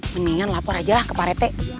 mendingan lapor aja lah ke parete